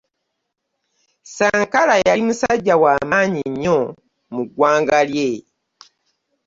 Sankara yali musajja wa maanyi nnyo mu ggwanga lye